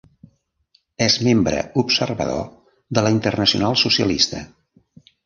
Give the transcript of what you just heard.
És membre observador de la Internacional Socialista.